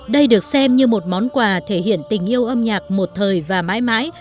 đây được xem như một món quà thể hiện tình yêu âm nhạc một thời và mãi mãi